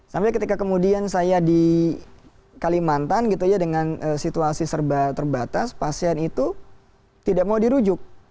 sampai ketika kemudian saya di kalimantan gitu ya dengan situasi serba terbatas pasien itu tidak mau dirujuk